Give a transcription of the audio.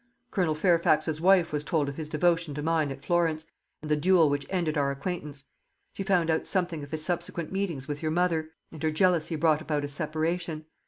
Colonel Fairfax's wife was told of his devotion to mine at Florence, and the duel which ended our acquaintance. She found out something of his subsequent meetings with your mother, and her jealousy brought about a separation.